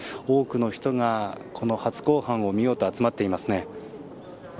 多くの人がこの初公判を見ようと集まっていますね。